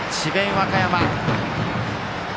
和歌山。